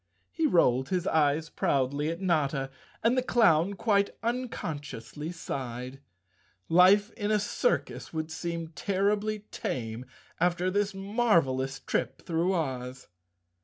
He rolled his eyes proudly at Notta, and the clown quite uncon¬ sciously sighed. Life in a circus would seem terribly tame after this marvelous trip through Oz.